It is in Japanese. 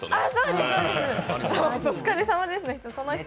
お疲れさまですの人。